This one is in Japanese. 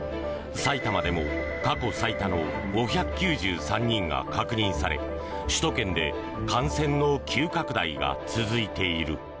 埼玉でも過去最多の５９３人が確認され首都圏で感染の急拡大が続いている。